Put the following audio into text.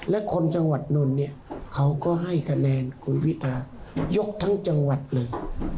และคนจังหวัดนนท์เนี่ยเขาก็ให้คะแนนคุณพิทายกทั้งจังหวัดเลย